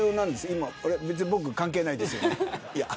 別に僕、関係ないですよね。